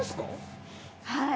はい。